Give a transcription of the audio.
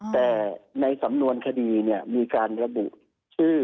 แต่ในสำนวนคดีมีการระบุชื่อ